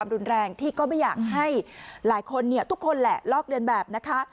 รุนแรงที่ก็ไม่อยากให้หลายคนเนี่ยทุกคนแหละลอกเลียนแบบนะคะ